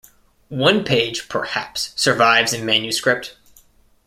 One page perhaps survives in manuscript.